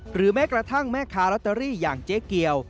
หรือแม้กระทั่งแม่ค้าลอตเตอรี่อย่างเจ๊เกียว